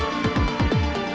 hmm bed parameters udah modal